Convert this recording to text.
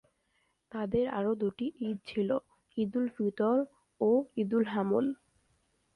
তাদের আরো দুটি ঈদ ছিল—ঈদুল ফাতির ও ঈদুল হামল।